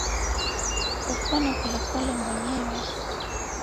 kupona polepole mwenyewe